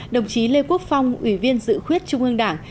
đồng chí lê quốc phong ủy viên dự khuyết trung ương đảng